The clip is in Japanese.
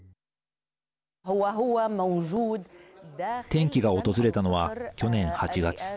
転機が訪れたのは去年８月。